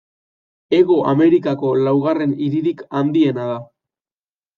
Hego Amerikako laugarren hiririk handiena da.